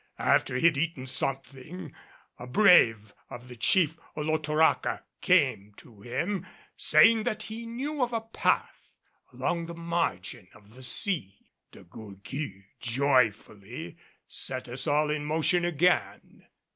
After he had eaten something, a brave of the Chief Olotoraca came to him saying that he knew of a path along the margin of the sea. De Gourgues joyfully set us all in motion again.